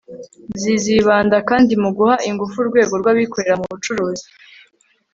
zizibanda kandi mu guha ingufu urwego rw'abikorera mu bucuruzi